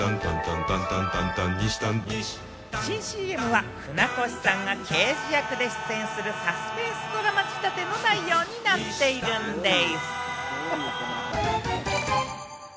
新ＣＭは船越さんが刑事役で出演するサスペンスドラマ仕立ての内容になっているんでぃす！